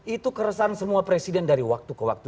itu keresahan semua presiden dari waktu ke waktu